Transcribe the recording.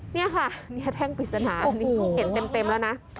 นี่ค่ะแท่งปริศนาอันนี้เห็นเต็มแล้วนะ